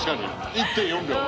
１．４秒。